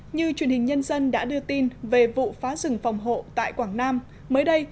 như truyền hình nhân dân đã đưa tin về vụ phá rừng phòng hộ tại quảng nam mới đây